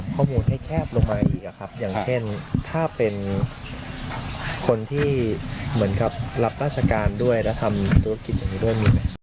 ข้อมูลให้แคบลงไปอีกอะครับอย่างเช่นถ้าเป็นคนที่เหมือนกับรับราชการด้วยและทำธุรกิจอย่างนี้ด้วยมีไหม